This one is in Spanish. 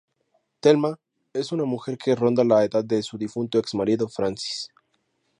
Thelma es una mujer que ronda la edad de su difunto ex-marido Francis.